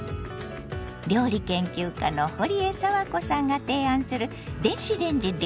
料理研究家のほりえさわこさんが提案する電子レンジ料理。